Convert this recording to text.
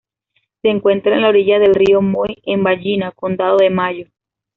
Se encuentra en la orilla del río Moy en Ballina, Condado de Mayo.